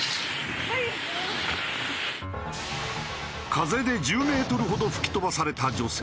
風で１０メートルほど吹き飛ばされた女性。